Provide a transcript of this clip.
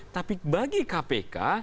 tapi bagi kpk